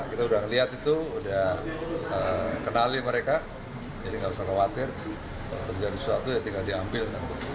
kita sudah melihat itu sudah kenali mereka jadi tidak usah khawatir kalau terjadi sesuatu ya tinggal diambil